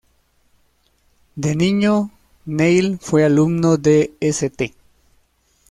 De niño, Neil fue alumno de St.